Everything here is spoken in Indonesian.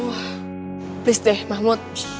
wah please deh mahmud